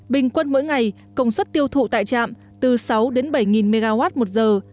bình quân mỗi ngày công suất tiêu thụ tại trạm từ sáu đến bảy mw một giờ